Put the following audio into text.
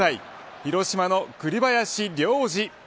広島の栗林良吏。